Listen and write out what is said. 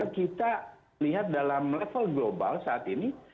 kita lihat dalam level global saat ini